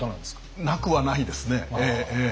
なくはないですねええ。